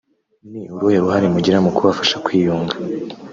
Ni uruhe ruhare mugira mu kubafasha kwiyunga